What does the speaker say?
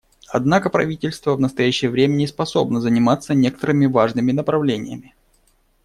Однако правительство в настоящее время не способно заниматься некоторыми важными направлениями.